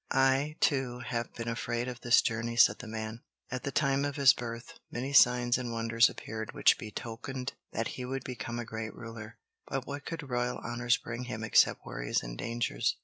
"I, too, have been afraid of this journey," said the man. "At the time of his birth, many signs and wonders appeared which betokened that he would become a great ruler. But what could royal honors bring him except worries and dangers?